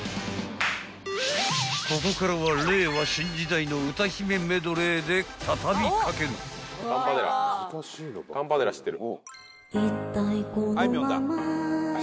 ［ここからは令和新時代の歌姫メドレーで畳み掛ける］